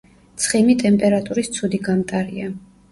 ცხიმი ტემპერატურის ცუდი გამტარია.